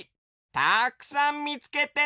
たくさんみつけてね！